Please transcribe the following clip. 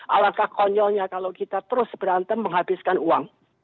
alangkah konyolnya kalau kita terus berantem menghabiskan uang